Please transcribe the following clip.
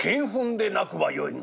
糞でなくばよいが』。